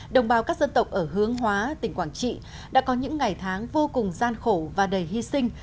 đồng bào các dân tộc ở hướng hóa tỉnh quảng trị đã có những ngày tháng vô cùng gian khổ và đầy hy sinh